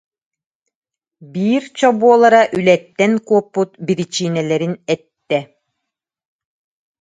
биир чобуолара үлэттэн куоппут биричиинэлэрин эттэ